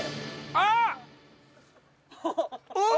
あっ！